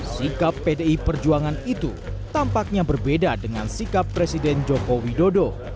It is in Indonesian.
sikap pdi perjuangan itu tampaknya berbeda dengan sikap presiden joko widodo